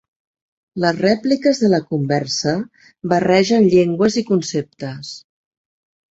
Les rèpliques de la conversa barregen llengües i conceptes.